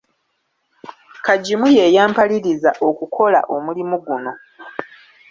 Kagimu ye yampaliriza okukola omulimu guno.